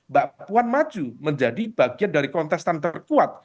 mbak puan maju menjadi bagian dari kontestan terkuat